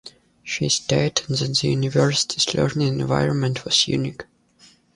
She stated that the University's learning environment was 'unique'.